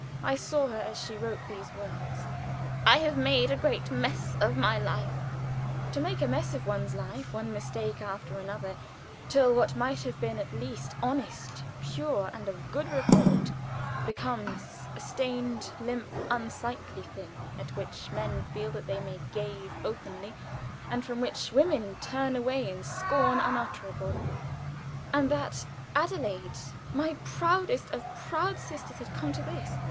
I saw her as she wrote these words: "I have made a great mess of it." To make a mess of one's life one mistake after another, till what might have been at least honest, pure, and of good report, becomes a stained, limp, unsightly thing, at which men feel that they may gaze openly, and from which women turn away in scorn unutterable; and that Adelaide, my proudest of proud sisters, had come to this!